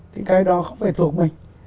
thì cái đó không phải thuộc mình